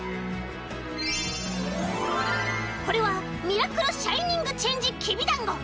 これはミラクルシャイニングチェンジきびだんご！